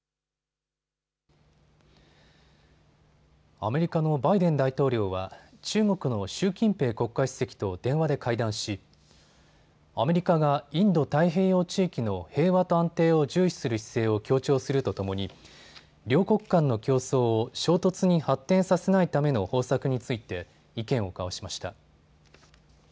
アメリカのバイデン大統領は中国の習近平国家主席と電話で会談し、アメリカがインド太平洋地域の平和と安定を重視する姿勢を強調するとともに両国間の競争を衝突に発展させないための方策について意見を交わしました。